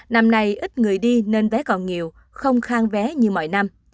năm nay ít người đi nên vé còn nhiều không khang vé như mọi năm